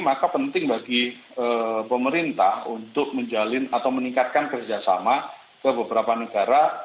maka penting bagi pemerintah untuk menjalin atau meningkatkan kerjasama ke beberapa negara